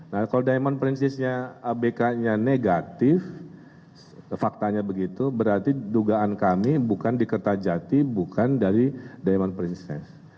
nah kalau diamond princess nya abk nya negatif faktanya begitu berarti dugaan kami bukan diketajati bukan dari diamond princess